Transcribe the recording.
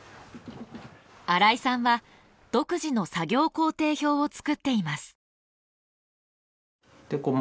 荒井さんは独自の作業工程表を作っています。